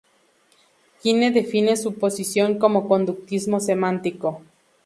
Quine define su posición como conductismo semántico.